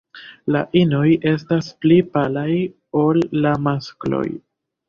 La inoj estas pli palaj ol la maskloj.